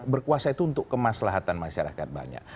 berkuasa itu untuk kemaslahatan masyarakat banyak